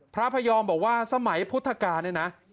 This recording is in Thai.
พระพยอมบอกว่าสมัยพุทธกาลเนี่ยนะ